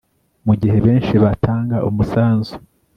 mugihe benshi batanga umusanzu